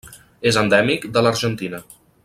És endèmic de l'Argentina.